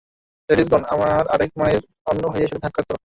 লেডিসগণ, আমার আরেক মায়ের অন্য ভাইয়ের সাথে সাক্ষাত করো।